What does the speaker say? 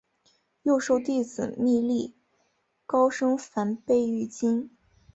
又授弟子觅历高声梵呗于今。